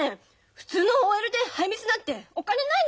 普通のＯＬでハイミスなんてお金ないのよ！？